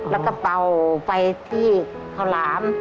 แล้วก็เป่าไปที่ข้าวหลาม